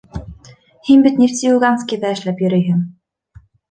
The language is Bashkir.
Һин бит Нефтеюганскиҙа эшләп йөрөйһөң.